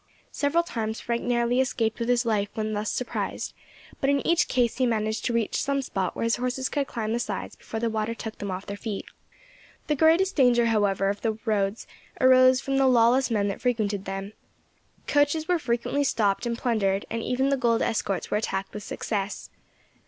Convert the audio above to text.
Several times Frank narrowly escaped with his life when thus surprised; but in each case he managed to reach some spot where his horses could climb the sides before the water took them off their feet. The greatest danger, however, of the roads, arose from the lawless men that frequented them. Coaches were frequently stopped and plundered, and even the gold escorts were attacked with success.